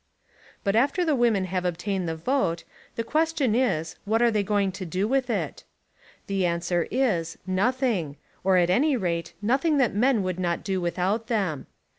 But after the women have obtained the vote the question is, what are they going to do with it? The answer is, nothing, or at any raf& nothing that men would not do without them.